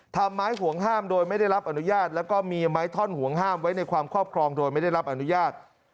ไม้ห่วงห้ามโดยไม่ได้รับอนุญาตแล้วก็มีไม้ท่อนห่วงห้ามไว้ในความครอบครองโดยไม่ได้รับอนุญาต